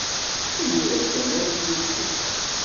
Imir-a kan ay ten-id-tufa.